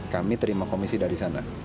kami terima komisi dari sana